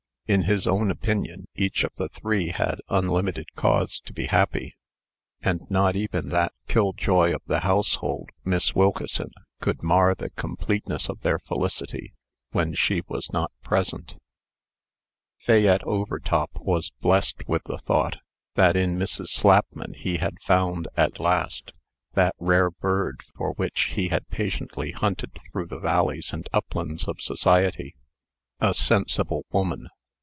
In his own opinion, each of the three had unlimited cause to be happy; and not even that killjoy of the household, Miss Wilkeson, could mar the completeness of their felicity when she was not present. Fayette Overtop was blessed with the thought, that in Mrs. Slapman he had found, at last, that rare bird for which he had patiently hunted through the valleys and uplands of society "a sensible woman."